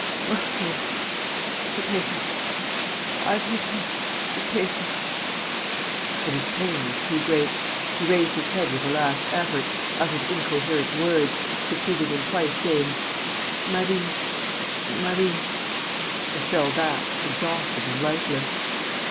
"Well, then ... the paper.... I have hidden the paper...." But his pain was too great. He raised his head with a last effort, uttered incoherent words, succeeded in twice saying, "Marie.... Marie...." and fell back, exhausted and lifeless.